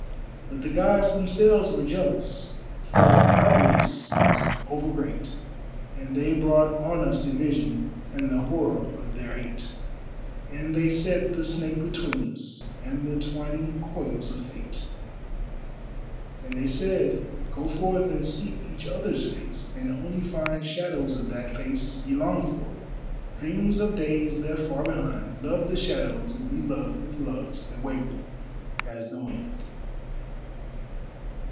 But the Gods themselves were jealous, for our bliss was over great, And they brought on us division, and the horror of their Hate, And they set the Snake between us, and the twining coils of Fate. And they said, "Go forth and seek each other's face, and only find Shadows of that face ye long for, dreams of days left far behind, Love the shadows and be loved with loves that waver as the wind."